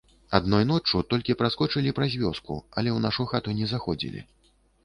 Адной ноччу толькі праскочылі праз вёску, але ў нашу хату не заходзілі.